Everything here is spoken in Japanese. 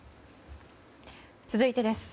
続いてです。